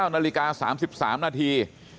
๙นาฬิกา๓๓นาที